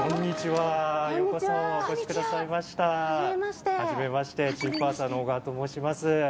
はじめましてチーフパーサーの小川と申します。